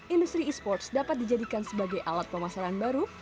industri e sports dapat dijadikan sebagai alat pemasaran baru